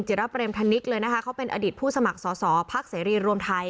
จิระเปรมทันนิกเลยนะคะเขาเป็นอดิษฐ์ผู้สมัครสอสอภาคเสรีรวมไทย